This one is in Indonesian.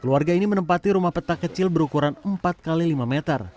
keluarga ini menempati rumah peta kecil berukuran empat x lima meter